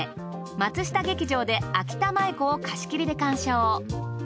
松下劇場であきた舞妓を貸切で鑑賞。